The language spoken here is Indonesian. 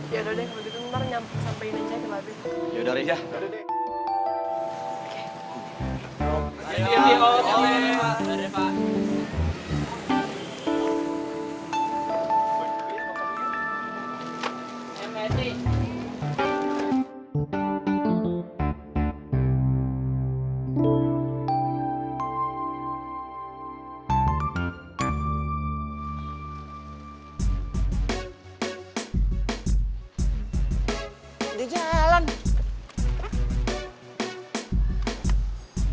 yaudah deh kalau gitu ntar nyampein aja ke mabek